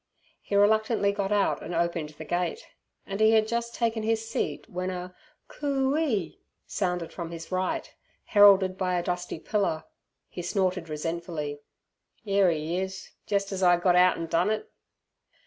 He reluctantly got out and opened the gate, and he had just taken his seat when a "Coo ee" sounded from his right, heralded by a dusty pillar. He snorted resentfully. "'Ere 'e is; jes' as I got out an' done it!"